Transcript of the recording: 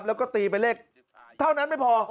แล้วก็ตีไปเลขเท่านั้นไม่พอ